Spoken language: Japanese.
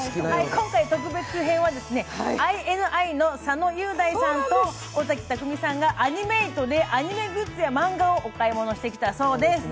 今回特別編はＩＮＩの佐野雄大さんと尾崎匠海さんがアニメイトでアニメグッズやマンガをお買い物してきたそうです。